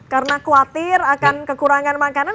karena khawatir akan kekurangan makanan